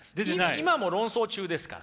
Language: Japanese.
今も論争中ですから。